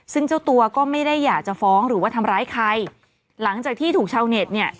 ซึ่งเจ้าตัวก็ไม่ได้อยากจะฟ้องหรือว่าทำร้ายใครหลังจากที่ถูกชาวเน็ตเนี่ย